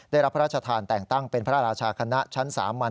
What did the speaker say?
ได้รับพระราชทานแต่งตั้งเป็นพระราชาคณะชั้นสามัญ